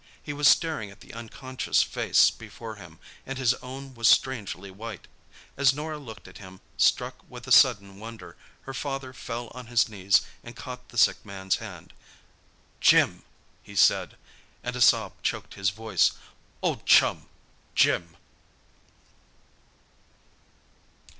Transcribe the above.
He was staring at the unconscious face before him, and his own was strangely white. As Norah looked at him, struck with a sudden wonder, her father fell on his knees and caught the sick man's hand. "Jim!" he said, and a sob choked his voice. "Old chum—Jim!"